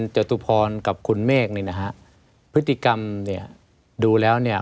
จตุพรกับคุณเมฆเนี่ยพฤติกรรมเนี่ย